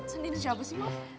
senen siapa sih mami